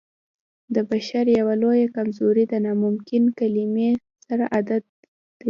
د بشر يوه لويه کمزوري د ناممکن کلمې سره عادت دی.